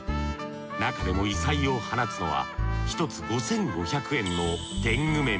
なかでも異彩を放つのは１つ５，５００円の天狗面。